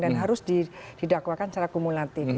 dan harus didakwakan secara kumulatif